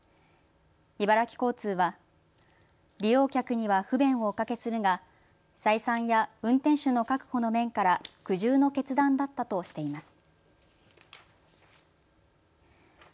茨城交通は利用客には不便をおかけするが採算や運転手の確保の面から苦渋の決断だったとしています。